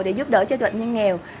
để giúp đỡ cho đoạn nhân nghèo